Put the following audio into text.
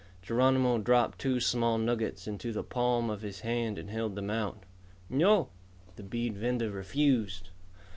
Geronimo dropped two small nuggets onto the palm of his hand and held them out. "No," the bead vendor refused.